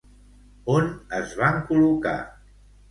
On es van col·locar?